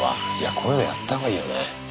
こういうのやったほうがいいよね。